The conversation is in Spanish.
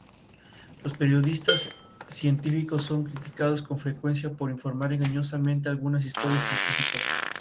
Los periodistas científicos son criticados con frecuencia por informar engañosamente algunas historias científicas.